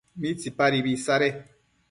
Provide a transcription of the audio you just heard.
¿midapadibi isade?